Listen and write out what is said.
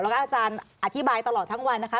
แล้วก็อาจารย์อธิบายตลอดทั้งวันนะคะ